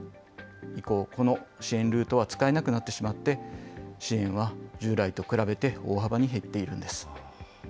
以降、この支援ルートは使えなくなってしまって、支援は従来と比べて大幅に減っているんです。